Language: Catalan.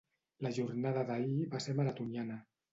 La jornada d’ahir va ser maratoniana.